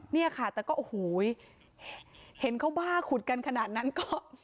เนี่ยค่ะแต่ก็โอ้โหเห็นเขาบ้าขุดกันขนาดนั้นก็